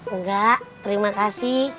enggak terima kasih